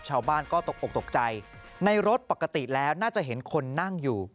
ชาวบ้านก็ตกออกตกใจในรถปกติแล้วน่าจะเห็นคนนั่งอยู่